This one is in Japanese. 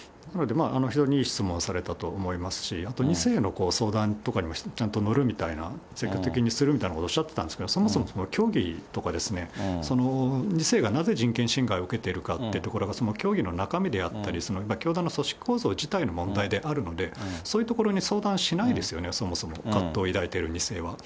非常にいい質問されたと思いますし、あと２世の相談とかにもちゃんと乗るみたいな、積極的にするみたいなことをおっしゃってたんですけれども、そもそも教義とか、その２世がなぜ人権侵害を受けているかってところが、その教義の中身であったり、教団の組織構造自体の問題であるので、そういうところに相談しないですよね、そもそも、葛藤を抱いている２世は。